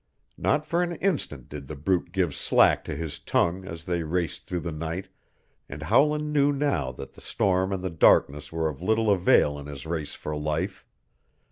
Not for an instant did the brute give slack to his tongue as they raced through the night, and Howland knew now that the storm and the darkness were of little avail in his race for life.